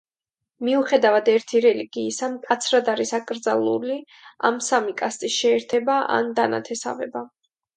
მიუხედავად ერთი რელიგიისა მკაცრად არის აკრძალული ამ სამი კასტის შეერთება ან დანათესავება.